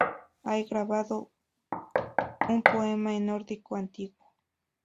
Hay grabado un poema en nórdico antiguo.